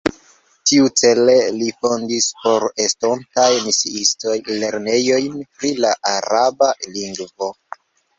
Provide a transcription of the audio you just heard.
Tiucele li fondis por estontaj misiistoj lernejojn pri la araba lingvo.